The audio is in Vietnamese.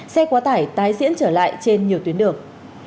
xe quá tải tái diễn trở lại trên nhiều tuyến đường